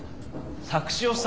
作詞をさ。